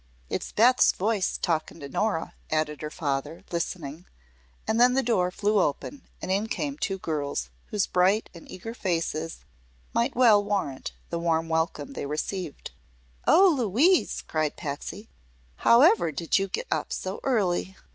"It's Beth's voice, talking to Nora," added her father, listening; and then the door flew open and in came two girls whose bright and eager faces might well warrant the warm welcome they received. "Oh, Louise," cried Patsy, "however did you get up so early?"